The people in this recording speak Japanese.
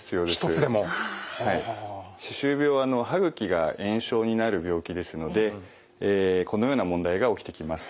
歯周病は歯ぐきが炎症になる病気ですのでこのような問題が起きてきます。